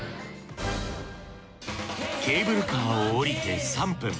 ケーブルカーを降りて３分。